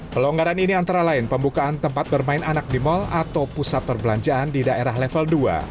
pelonggaran ini antara lain pembukaan tempat bermain anak di mal atau pusat perbelanjaan di daerah level dua